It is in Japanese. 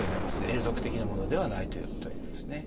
永続的なものではないということになりますね。